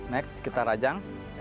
next kita rajang